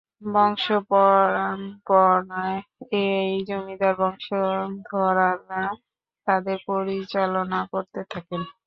বংশপরামপণায় এই জমিদার বংশধররা তাদের পরিচালনা করতে থাকেন।